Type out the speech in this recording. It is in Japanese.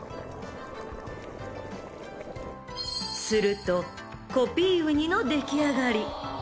［するとコピーうにの出来上がり］